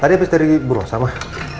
tadi abis dari berosa mah